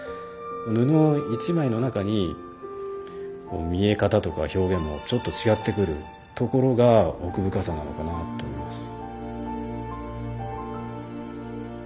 布１枚の中に見え方とか表現がちょっと違ってくるところが奥深さなのかなと思います。